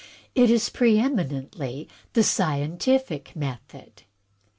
It is preeminently the scientific method.